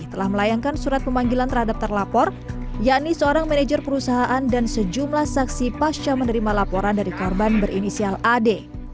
telah melayangkan surat pemanggilan terhadap terlapor yakni seorang manajer perusahaan dan sejumlah saksi pasca menerima laporan dari korban berinisial ad